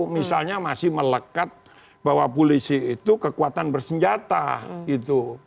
misalnya masih melekat bahwa polisi itu kekuatan bersenjata gitu